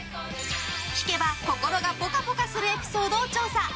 聞けば心がぽかぽかするエピソードを調査。